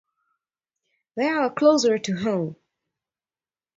They are closer to home.